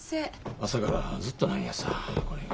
朝からずっとなんやさこれが。